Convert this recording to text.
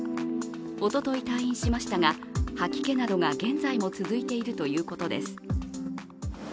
おととい退院しましたが吐き気などが現在も続いているということです